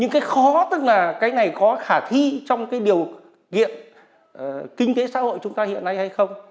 có tức là cái này có khả thi trong cái điều kiện kinh tế xã hội chúng ta hiện nay hay không